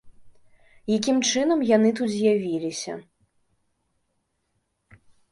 Якім чынам яны тут з'явіліся?